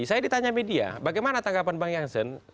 saya ditanya media bagaimana tanggapan bang jansen